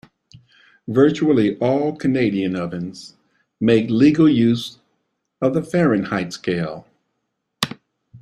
Virtually all Canadian ovens make legal use of the Fahrenheit scale.